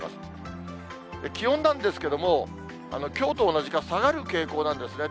気温なんですけども、きょうと同じか下がる傾向なんですね。